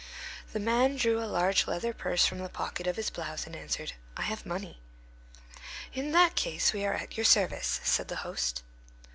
The man drew a large leather purse from the pocket of his blouse, and answered, "I have money." "In that case, we are at your service," said the host.